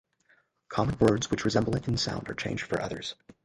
Common words which resemble it in sound are changed for others.